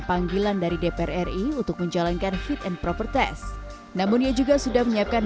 panggilan dari dpr ri untuk menjalankan fit and proper test namun ia juga sudah menyiapkan